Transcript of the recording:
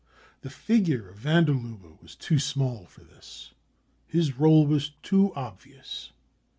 The figure of van der Lubbe was too small for this ; his role was too obvious.